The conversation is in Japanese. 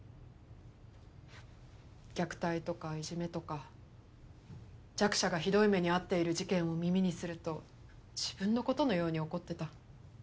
虐待とかいじめとか弱者がひどい目に遭っている事件を耳にすると自分の事のように怒ってた。